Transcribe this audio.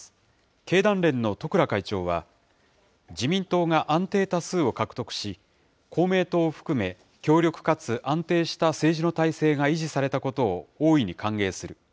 経団連の十倉会長は、自民党が安定多数を獲得し、公明党を含め、強力かつ安定した政治の体制が維持されたことを大いに歓迎する。